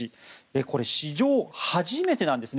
これ、史上初めてなんですね。